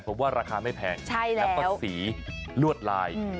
ผมว่าราคาไม่แพงแล้วก็สีลวดลาย